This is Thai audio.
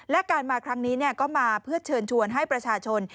และการมาครั้งนี้ก็มาเพื่อเชิญชวนให้ประชาชน